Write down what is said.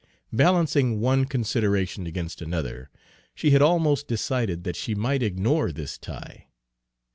Balancing one consideration against another, she had almost decided that she might ignore this tie.